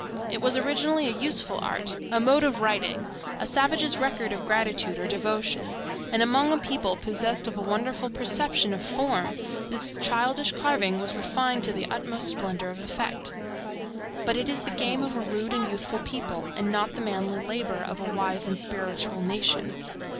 It was originally a useful art, a mode of writing, a savage's record of gratitude or devotion, and among a people possessed of a wonderful perception of form this childish carving was refined to the utmost splendor of effect. But it is the game of a rude and youthful people, and not the manly labor of a wise and spiritual nation.